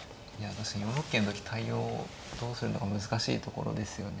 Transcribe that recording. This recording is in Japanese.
確かに４六桂の時対応どうするか難しいところですよね。